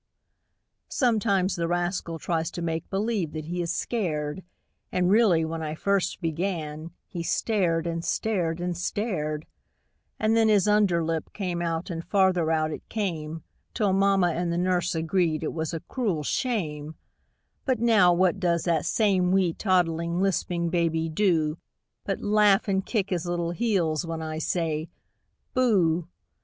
Sometimes the rascal tries to make believe that he is scared, And really, when I first began, he stared, and stared, and stared; And then his under lip came out and farther out it came, Till mamma and the nurse agreed it was a "cruel shame" But now what does that same wee, toddling, lisping baby do But laugh and kick his little heels when I say "Booh!"